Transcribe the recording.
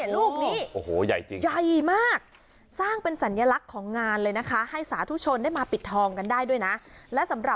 ลูกนิมิตขนาดยักษ์